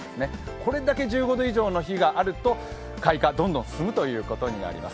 これだけ１５度以上の日があると開花がどんどん進むということになります。